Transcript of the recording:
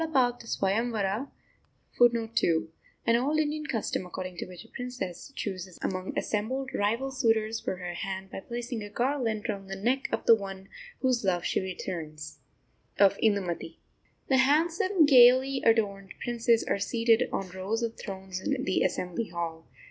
] [Footnote 2: An old Indian custom, according to which a princess chooses among assembled rival suitors for her hand by placing a garland round the neck of the one whose love she returns.] The handsome, gaily adorned princes are seated on rows of thrones in the assembly hall.